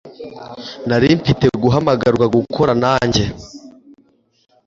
Nari mfite guhamagarwa gukora nanjye